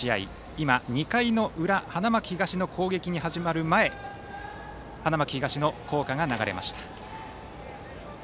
今、２回の裏花巻東の攻撃が始まる前花巻東の校歌が流れました。